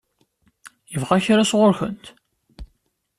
Yebɣa kra sɣur-kent?